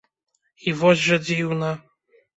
І вось жа дзіўна!